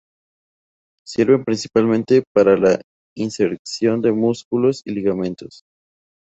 Sirven principalmente para la inserción de músculos y ligamentos.